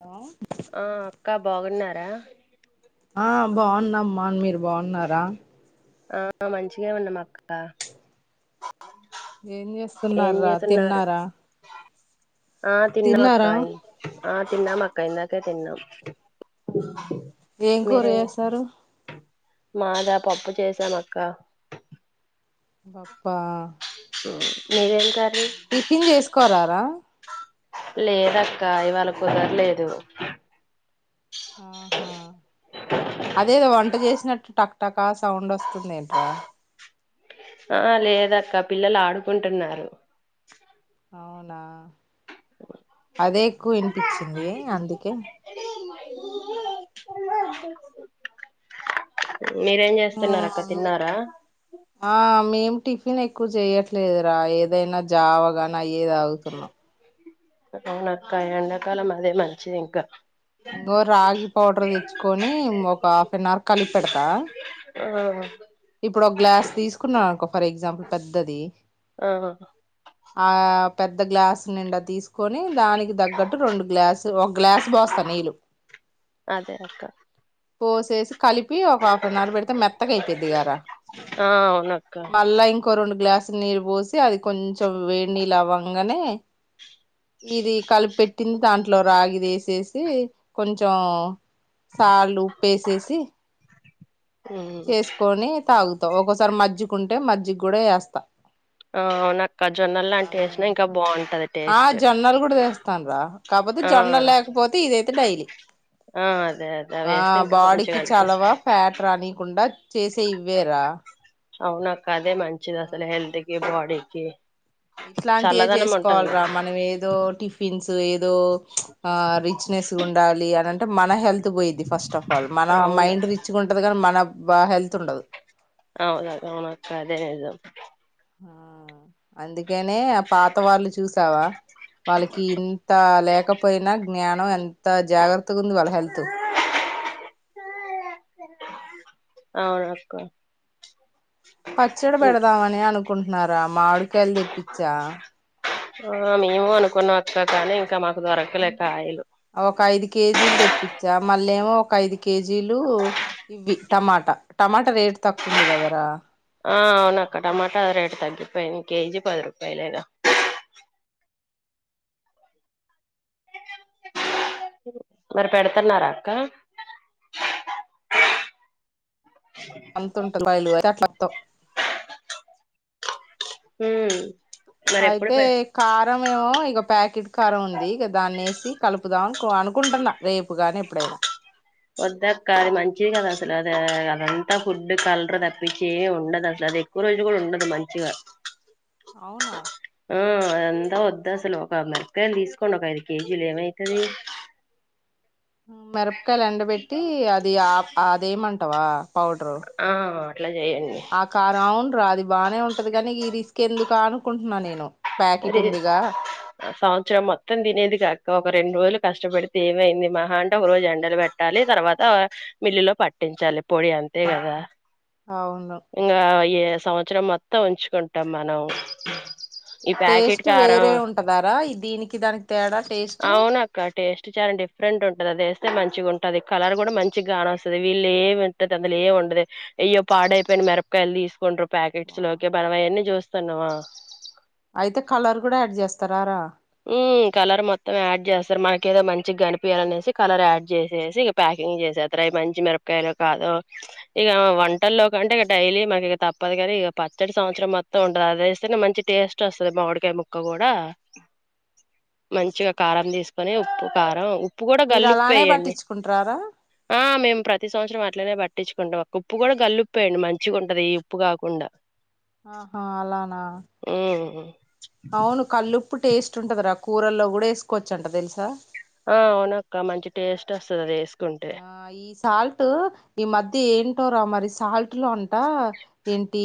ఆ ఆ అక్క బాగున్నారా ఆ బాగున్నమ్మా మీర్ బాగున్నారా ఆ మంచిగె ఉనం అక్క ఏం ఏం చేస్తున్నార్రా చేస్తున్నారు తిన్నారా ఆ తిన్నారా తిన్నక్కా ఆ తిన్నామక్కా ఇందాకే తిన్నాం ఏం కూర మీరే ఏసారు మాదా పప్పు చేసాం అక్కా పప్పా మీదేం కర్ టిఫిన్ చేసుకోరారా లేదక్క ఇవాళ కుదర్లేదు ఆహా అదేదొ వన్ ట చేసినట్ట్ టక్ టాకా సౌండ్ ఒస్తుంది ఎంట్రా ఆ లేదక్క పిల్లల్ ఆడుకుంటున్నారు ఔనా అదేక్కువ ఇన్పిచ్చింది అందుకె మీరేం చేస్తున్నారు అక్క తిన్నారా ఆ మేమ్ టిఫిన్ ఎక్కువ చేయట్లేదురా ఏదైనా జావగాన్ అయ్యే తాగుతున్నాం అవునక్క ఎండాకాలం అదే మంచిద్ ఇంకా బొ రాగి పౌడర్ తెచ్చుకొనీ ఒక హాఫ్ అన్ అవర్ కలిప్ పెడ్తా ఆ ఇప్పుడ్ ఒక్ గ్లాస్ తీస్కున్నా అన్కొ ఫర్ ఎగ్జాంపుల్ పెద్దది ఆ ఆ పెద్ద గ్లాస్ నిండ తీస్కొని దానికి దగ్గట్టు రెండు గ్లాస్ ఒక గ్లాస్ బోస్తా నీళు అదె అక్క పోసేసి కలిపి ఒక హాఫ్ అన్ అవర్ పెడితే మెత్ గారా ఆ అవునక్క మల్ల ఇం కొ రెండు గ్లాసు నీళ్రు పోసి అది కొంచెం వేడ్ నీళ్ళ్ అవ్వంగనే ఇది కలిప్ పెట్టింది దాంట్లో రాగి దేసేసీ కొంచెం సాలు ఉప్పేసేసి ఉమ్ చేసుకొనీ తాగుతం ఒక్కోసారి మజ్జిగుంటే మజ్జిగ్ కూడా ఏస్తా ఆ ఔన జొన్నల్ లాంటి ఏసినా ఇంకా బాగుంటది ఆ టేస్ట్ జొన్నలు కూడా ఆ పోతే ఇదైతె డైలీ ఆ అదే అదే అవి ఆ వేస్తే ఇంకా మంచిగా బాడీకి చలవ అనిపిస్తాయి ఫ్యాట్ రానీకుండా చేసే ఇవ్వేరా అవునక్క అదే మంచిది ఆ అసల్ హెల్త్ కి బాడీకి ఇట్లాంటియే చల్లదనం ఉంటది చేసుకోవాల్రా మనం ఏదో టిఫిన్స్ ఏదో ఆ రిచ్ గుండాలి అన్ అంట్ ట మన హెల్త్ పోయద్ది ఫస్టఫాల్ మన అవును మైండ్ రిచ్గ ఉంటద్ కాన్ మన బ హెల్త్ ఉండదు అవుద అవ్నక్క అదే ఇజం ఆ అందుకనే ఆ పాత వాళ్ళు చూసావా వాళ్ళకి ఇంతా లేకపోయినా జ్ఞానం ఎంత జాగ్రత్తగుంది వాళ్ళ హెల్త్ అవును అక్క పచ్చడ పెడదామని అనుకుంటున్నారా మాడుకాయలు తెప్పించా ఆ మేము అనుకున్నాం అక్క కానీ ఇంకా మాకు దొరకలే కాయలు ఒక ఐదు కేజీలు తెప్పించా మళ్ళ ఏమో ఒక ఐదు కేజీలు ఇవి టమాటా టమాటా రేట్ తక్కువ ఉంది కదరా ఆ అవును అక్క టమాటా రేటు తగ్గిపోయింది కేజీ పది రూపాయలేగా మరి పెడుతున్నారా అక్క అ అంతుంటది రూపాయలు అయితే అట్లొత్తం మ్మ్ అయితే కారం ఏమో ఇగా ప్యాకెట్ కారం ఉంది దాన్నిేసి కలుపుదాం అనుకుంటున్నా రేపు గాని ఎప్పుడైనా వద్దక్క అది మంచిది కాదు అసలు అది అదంతా ఫుడ్ కలరు తప్పించి ఏముండదు అసలు అది ఎక్కువ రోజులు కూడా ఉండదు మంచిగా అవునా ఆ అంతా వద్దు అసలు ఒక మిరపకాయలు తీసుకోండి ఒక ఐదు కేజీలు ఏమైతది మిరపకాయలు ఎండబెట్టి అది ఆ అదేమంటావా పౌడరు ఆ అట్లా చేయండి ఆ కార్ అవును రా అది బాగానే ఉంటది కానీ ఈ రిస్క్ ఎందుకు ఆ అనుకుంటున్నా నేను ప్యాకెట్ అరే ఉందిగా ఆ సంవత్సరం మొత్తం తినేది కాక ఒక రెండు రోజులు కష్టపడితే ఏమైంది మహా అంటే ఒక రోజు ఎండలు పెట్టాలి తర్వాత మిల్లులో పట్టించాలి అల్ పొడి అంతే కదా అవును ఇంకా ఏ సంవత్సరం మొత్తం ఉంచుకుంటాం మనం ఈ ప్యాకెట్ టేస్ట్ కారం వేరే ఉంటదారా దీనికి దానికి తేడా టేస్ట్ అవును అక్క టేస్ట్ చానా డీఫ్ డిఫరెంట్ ఉంటది అది ఏస్తే మంచిగా ఉంటది కలర్ కూడా మంచి కానోస్తది వీళ్ళు ఏమింట అందులు ఏమి ఉండదు అయ్యో పాడయిపోయిన మిరపకాయలు తీసుకుంట్రు ప్యాకెట్స్ లోకి మనం అయ్యన్నీ చూస్తున్నమా అయితే కలర్ కూడా యాడ్ చేస్తారారా ఉ కలర్ మొత్తం యాడ్ చేస్తారు మనకు ఏదో మంచిగా కనిపయాలనేసి కలర్ యాడ్ చేసేసి క్లీన్ చేసేస్తారా అయి మంచి మిరపకాయలో కాదో ఇక వంటల్లో కంటే ఇ డైలీ మరి తప్ప కాని ఇక పచ్చడి సంవత్సరం మొత్తం ఉండదు అదిేస్తేనే మంచి టేస్ట్ వస్తుది మామిడికాయ ముక్క కూడా మంచిగా కారం తీసుకొని ఉప్పు కారం ఉప్పు ఉప్పు కూడా మీరు కల్లుప్పు అలానే వెయ్యండి పట్టించుకుంటారారా ఆ మేము ప్రతి సంవత్సరం ఇట్లనే పట్టించుకుంటాం ఓక ఉప్పు కూడా గల్లిప్పేయండి మంచిగా ఉంటది ఈ ఉప్పు కాకుండా ఆహా అలానా ఉమ్ అవును కల్లుప్పు టేస్ట్ ఉంటదిరా కూరల్లో కూడా వేసుకోవచ్చంట తెలుసా ఆ అవునక్కా మంచి టేస్ట్ ఒస్తది అది వేసుకుంటే ఆ ఈ సాల్ట్ ఈ మధ్య ఏ రా మరి సాల్ట్ లో అంట ఏంటి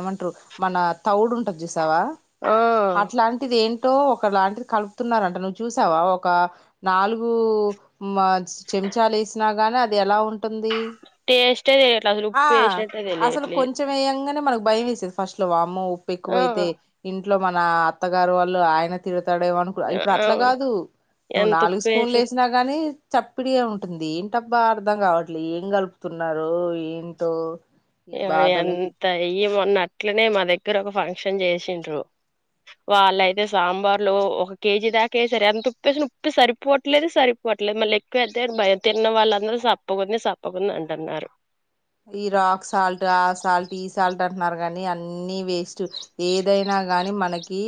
ఏమంటారు మన తౌడు ఉంటుంది చుస్ చూసావా ఆ అట్లాంటిది ఏం లో ఒక లాంటిది కలుపుతున్నారంట నువ్వు చూసావా ఒక నాలుగు మ ఉంచాలేసిన గాని అది ఎలా ఉ టుది టేస్టే తెలియట్లే అసలు ఆ ఉప్పు వేసినట్టే అసలు తెలియట్లేదు కొంచెం వెయ్యంగానే మనకు భయం వేస్తేది ఫస్ట్ వామ్మో ఉప్పు ఆ ఎక్కువైతే ఇంట్లో మన అత్తగారు వాళ్ళు ఆయన తీర్ తాడేవను ఇప్పుడు అట్లా అవును కాదు నువ్వు ఎంత నాలుగు ఉప్పు స్పూన్లు వేసిన వేసినా గానీ చప్పడిగా ఉంటుంది ఏంటబ్బా అర్థం కావట్లే ఏం కలుపుతున్నారో ఏంటో ఈ ఇ బాధలు అంత ఇ మొన్న అట్లనే మా దగ్గర ఒక ఫంక్షన్ చేసిండ్రు వాళ్ళయితే సాంబార్లు ఒక కేజీ దాకా వేశారు ఎంత ఉప్పేసినా ఉప్పి సరిపోవట్లేదు సరి వాట్లే మళ్ళీ ఎక్కువ వేస్తే భయం తిన్న వాళ్ళందరూ సప్పకుంది సప్పకుంది అంటున్నారు ఈ రాక్ సాల్ట్ ఆ సాల్ట్ ఈ సాల్ట్ అంటున్నారు కానీ అన్ని వేస్ట్ ఏదైనా గాని మనకి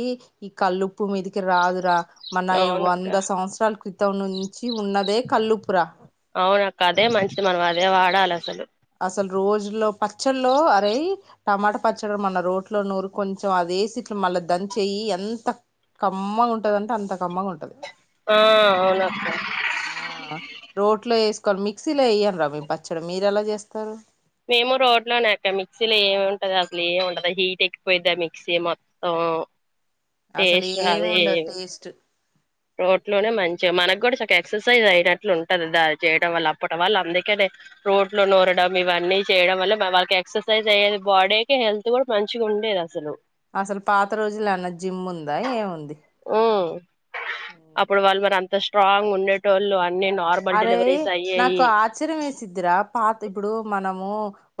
ఈ కల్లూపు మీదికి రాదు రా మన అవునక్క వంద సంవత్సరాల క్రితం ను ఉన్నదే కళ్లుపుర అవునక్క అదే మంచిది మనం అదే వాడాలి అసలు అసలు రోజులో పచ్చళ్ళ అరే టమాటా పచ్చడి మన రోట్లో నూరు కొంచెం అదేసి మళ్ళా దంచేయి ఎంత కమ్మగా ఉంటదంటే అంత కమ్మగా ఉంటది ఆ అవునక్క ఆ రోట్లో మిక్సీలో ఏయారా మీ పచ్చడి మీరు ఎలా చేస్తారు మేము రోట్లోనే అక్క మిక్సీలో ఏమి ఉంటది అసలు ఏమి ఉంటదు హీట్ ఎక్కిపోద్ది మిక్సీ మొత్తం అసలు ఏమి ఉండదు టేస్ట్ రోడ్లోనే మంచిగా మనకు కూడా చ ఎక్సర్సైజ్ అయినట్లు ఉంటది చేయడం వల్ల అప్పటి వాళ్ళు అందుకేనే రోట్లో నోరడం ఇవన్నీ చేయడం వల్ల వాళ్ళకి ఎక్సర్సైజ్ అయ్యేది బాడీకి హెల్త్ కూడా మంచిగా ఉండేది అసలు అసలు పాత రోజులున్న జిమ్ ఉందా ఏముంది ఉమ్ అప్పుడు వాళ్ళు మరి అంత స్ట్రాంగ్ ఉండేట వాళ్ళు అ అరే నాకు ఆశ్చర్యం వేసిదిరా పాత ఇప్పుడు మనం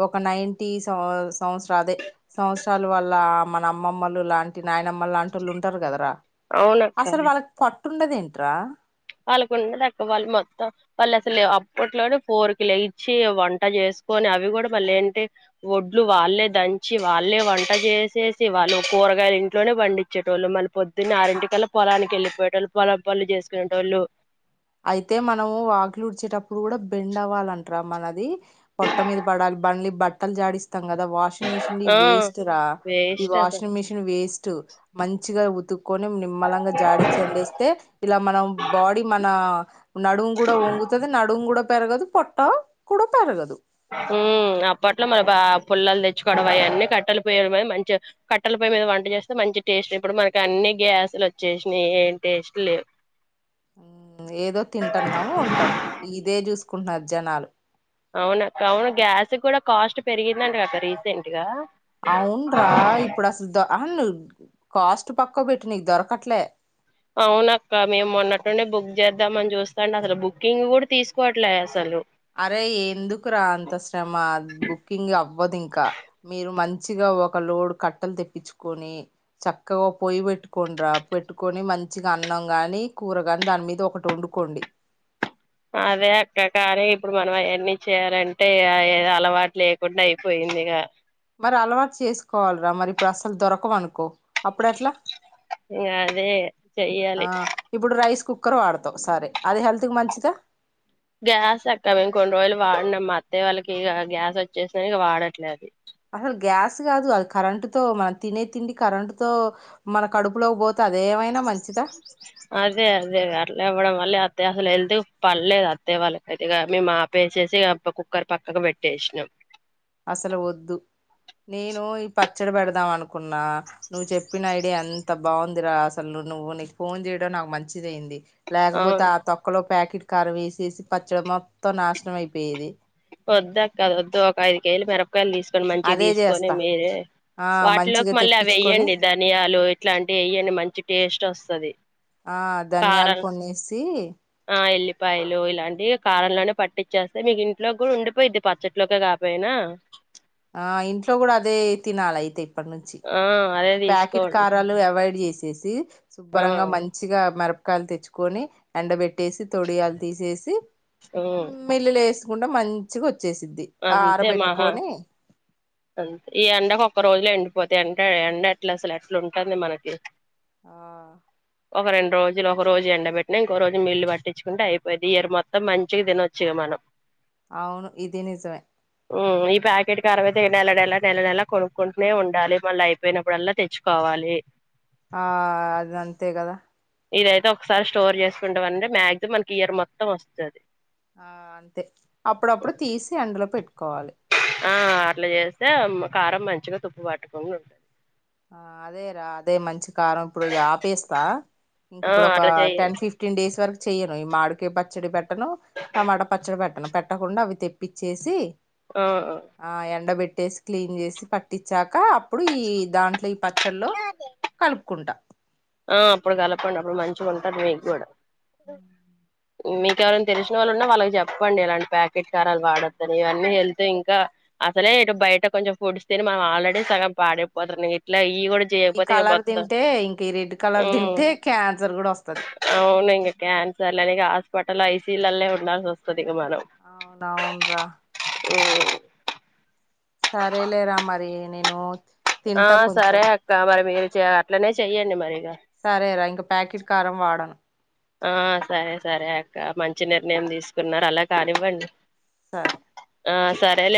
ఒక నైన్ టి సంవత్సరా అదే సంవత్సరాల వల్ల మన అమ్మమ్మలు లాంటి నాయనమ్మలు లాంటి వాళ్ళు ఉంటారు కదరా అవునక్క అసలు వాళ్ళకి పట్టుండద ఏంట్రా వాళ్ళకుండేదిక్క వాళ్ళు మొత్తం వాళ్ళు అసలు అప్పట్లోనే ఫోర్ కి లేయిచ్చి వంట చేస్త కొని అవి కూడా మళ్ళ ఏంటి ఒడ్లు వాళ్ళ దంచి వాళ్ళ వంట చేసేసి వాళ్ళు కూరగాయ ఇంట్నే పండించే వాళ్ళు మన పొద్దున్న ఆరింటికిల్లా పొలానికి వెళ్లిపోయే వాళ్ళ పొల పలు చేసుకునే టోలు అయితే మనము వాకలు ఉడిచేటప్పుడు కూడా బెండ్ అవ్వాలింటార మనది పొట్ట మీద పడాలి బండ్లి బట్టలు జాడిస్త కద వాషింగ్ మిషన్ ఆ వేస్ట్ రా ఈ వేస్ట్ అసలు వాషింగ్ మిషన్ వేస్ట్ మంచిగా ని నిమ్మలంగా జాడి చెండేస్తే ఇలా మనం బాడీ మ నా నడువు కూడా వంగుతుది నడు కూడా పెరగదు పొట్ట కూడా పెరగదు అప్పట్లో మన బ పుల్లలు తెచ్చుకోవడ అవన్నీ కట్టలు పోయడం మంచిగా కట్టలు మీద వంట చేస్తే మంచి టేస్ట్ ఇప్పుడు మనకి అన్ని గ్యాస్లు వచ్చేసినాయి ఏం టేస్ట్ లేవు ఉమ్, ఏదో తింటున్నాము ఉంటున్నాం ఇదే చూసుకుంటున్నారు జనాలు అవున అవును గ్యాస్ కూడా కాస్ట్ పెరిగిందండి అక్క రీసెంట్ గా అవున్రా ఇప్పుడు అసలు ద అను కాస్ట్ పక్క పెట్టు నీకు దొరకట్లే అవునక్క మేము మొన్నట్టుండే బుక్ చేద్దామ అని చూస్తాంటే అసలు బుకింగ్ కూడా తీసుకోవట్లే అసలు అరే ఎందుకు రా అంత శ్రమ బుకింగ్ అవ్వదు ఇంకా మీరు మంచిగా ఒక లోడ్ కట్టలు తెప్పించుకొని చక్కగా పొయ్యి పెట్టుకోంరా పెట్టుకొని మంచిగా అన్నం గాని కూరగాని దాని మీద ఒకటి వండుకోండి అదే అక్క కానీ ఇప్పుడు మనం అవన్ని చేయాలంటే అలవాటు లేకుండా అయిపోయిది దిగా ఇ అలవాటు చేసుకోవాలరా మరి ఇప్పుడు అసలు దొరకవు అనుకో అప్పుడు ఎట్లా ఇంగా అదే ఆ చెయ్యాలి ఇప్పుడు రైస్ కుక్ కుక్కరు వాడతావు సరే అది హెల్తకీ మంచిదా గ్యాస్ ఎక్క మేం కొన్ని రోజులు వాడినాం మా అత్త్య వాళ్ళకి ఇక గ్యాస్ వచ్చేసిన ఇక వాడట్లేదు అసలు గ్యాస్ కాదు అది కరెంటు తో మనం తినే తిండి కరెంటు తో మన కడుపులో పోత అదేవైనా మంచి అదే అదే అట్లేవ్వడం మళ్ళ అ అసలు వెళ్తే పడలేదు అత్తే వాళ్ళకితే ఇ మేము మాప వేసేసి కుక్కర్ పక్కకు పెట్టేసినాం అసలు వద్దు నేను ఈ పచ్చడి పెడదాం అనుకున్నా నువ్వు చెప్పిన ఐడియా ఎంత బాగుందిరా అసలు నువ్వు నువ్వు నీకు ఫోన్ చేయడం నాకు మంచిది అయింది లేకపోతే అవును ఆ తొక్కలో ప్యాకెట్ కారం వేసేసి పచ్చడి మొత్తం నాశనం అయిపోయేది వద్దా కద వద్దు ఒక ఐదు కేజీలు మిరపకాయలు తీసుకొని మంచిగా అదే తీసుకొని చేస్తా మీరే ఆ వాటిలోకి మంచిగా మళ్ళీ అవి తెప్పించుకొని వేయ్యండి ధనియాలు ఇట్లాంటివి వెయ్యండి మంచి టేస్ట్ వస్ ఆ ధన్యాలు కొన్నీ ఏసి పైలు ఇలాంటివి కారంలోనే పట్టించేస్తే మీకు ఇ లోకి కూడా ఉండిపోయిద్ది పచ్చట్లోకి కాపోయినా ఆ ఇంట్లో కూడా అదే తినాలి అయితే అప్పటి నుంచి ఆ అదే ఈ ప్యాకెట్ తీసుకోండి కారాలు అవాయిడ్ చేసి చేసి ఆ సుబ్బరంగా మంచిగా మిరపకాయలు తెచ్చుకొని ఎండ వెట్ ట్ట తొడియాలు తీసేసి ఉమ్ మిల్ వేసుకుంట మంచిగా వచ్చేసిద్ది ఆ అంతే మహా ఆరబెట్టుకొని అంతే ఈ ఎండకు ఒక్క రోజులే ఎండిపోతాయి ఎంట ఎండ ఎట్లా అసలు ఎట్లా ఉంటుంది మనకి ఆ ఒక రెండు రోజలు ఒక రోజు ఎండెట్టినా ఇంకో రోజు మీల్లు పట్టించుకుంట అయిపోయిది ఇయ మొత్తం మంచిగా తినొచ్చు ఇగా మనం అవును ఇది నిజమే ఈ ప్యాకెట్ క అ అయితే నెల నెల నెల నెలలా కొనుక్కుంటూనే ఉండాలి మళ్ళీ అయిపోయినప్పుడల్లా తెచ్చుకోవా వలి ఆ అదంతే కదా ఇదైతే ఒకసారి స్టోర్ చేసుకుంటా అంటే మాక్సిమం మనకి ఇయర్ మొత్తం వస్తుంది ఆ అంతే అప్పుడప్పుడు తీసి అందులో పెట్టుకోవాలి ఆ ఆటలు చేస్తే కారం మంచిగా తుప్పు పట్టుకుండా ఉంటుంది ఆ అదే రా అదే మంచి కారం ఇప్పుడు ఆపేస్తా ఇంక ఆ ఇప్పుడు ఒక అట్లా టెన్ చెయ్యాలి ఫిఫ్టీన్ డేస్ వర్ చెయను ఈ మాడికయ పచ్చడి పెట్టను టమాటా పచ్చడి పెట్టను పెట్టకుండా అవి తెప్పిచ్చేసి ఆ ఆ ఎండబెట్టేసి క్లీన్ చేసి పట్టించాక అప్పుడు ఈ దాంట్లో ఈ ప పచ్చల్లో కలుపుకుంటా ఆ అప్పుడు కలపండి అప్పుడు మంచిగా ఉంటాది మీకూడా ఉ మీకెవరైనా తెలిసిన వాళ్ళు ఉన్నా వాళ్ళకి చెప్పండి ఇలాంటి ప్యాకెట్ కారాలు వాడొద్దని ఇవన్నీ వెళ్తే ఇంకా అసలే ఇటు బయట కొంచెం ఫుడ్ తిని మనం ఆల్రెడీ సగం పాడైపోతారు ఇట్లా ఇవి కూడా ఈ చేయకపోతే కలర్ బత్త తింటే ఇంక ఈ రెడ్ కలర్ తింటే క్యాన్సర్ కూడా వస్తది అవును ఇంగ క్యాన్సర్లని కాదు పటల ఐసీయులల్లో ఉండాల్సి వస్తది ఇక అవును అవును రా ఉ సరే లేరా మరి నేను ఆ తింటా కొంచెం సరే అక్క మరి మీరు అట్లనే చెయ్యండి మరి సరేరా ఇంక ప్యాకెట్ కారం వాడను ఆ సరే సరే అక్క మంచి నిర్ణయం తీసుకున్నారు అలా కానివ్వండి తార్ ఆ సరేలే